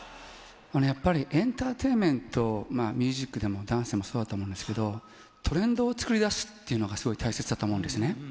あのやっぱり、エンターテインメント、ミュージックでもダンスでもそうだと思いますけど、トレンドを作り出すっていうのが、すごい大切だと思うんですね。